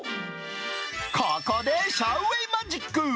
ここでシャウ・ウェイマジック。